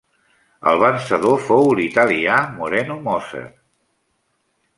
El vencedor fou l'italià Moreno Moser.